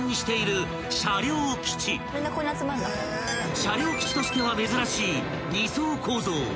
［車両基地としては珍しい２層構造］